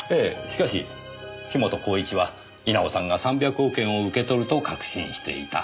しかし樋本晃一は稲尾さんが３００億円を受け取ると確信していた。